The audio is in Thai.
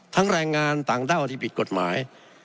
แรงงานต่างด้าวที่ผิดกฎหมาย